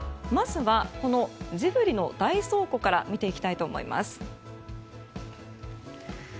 まずは、ジブリの大倉庫から見ていきたいと思います。